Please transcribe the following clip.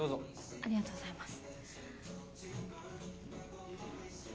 ありがとうございます。